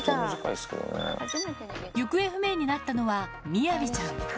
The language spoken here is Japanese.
行方不明になったのは、みやびちゃん。